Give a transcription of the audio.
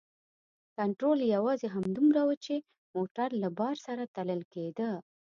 کنترول یې یوازې همدومره و چې موټر له بار سره تلل کیده.